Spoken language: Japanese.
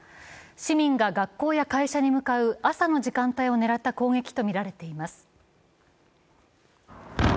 市民が学校や会社に向かう朝の時間帯を狙った攻撃とみられています。